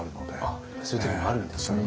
あっそういう時もあるんですね。